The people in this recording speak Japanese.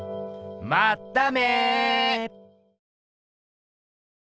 まっため。